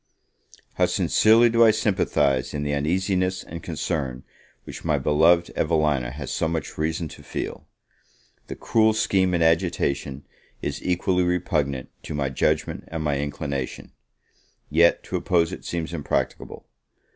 HOW sincerely do I sympathise in the uneasiness and concern which my beloved Evelina has so much reason to feel! The cruel scheme in agitation is equally repugnant to my judgment and my inclination; yet to oppose it seems impracticable.